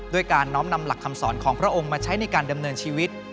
ด้วยการน้อมนำหลักคำสอนของพระองค์มาใช้ในการดำเนินชีวิต